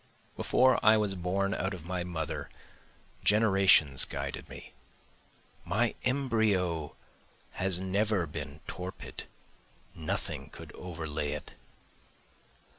Before I was born out of my mother generations guided me, My embryo has never been torpid, nothing could overlay it.